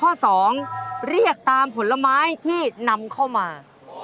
ข้อ๒เรียกตามผลไม้ที่นำเข้ามา